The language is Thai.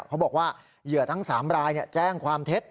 เขาบอกว่าเหยื่อทั้ง๓รายแจ้งความเท็จ